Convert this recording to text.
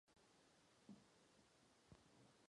Varhanní skříň je z celého nástroje vidět nejvíce.